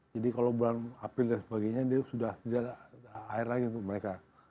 jadi kalau bulan april dan sebagainya dia sudah sudah air lagi untuk mereka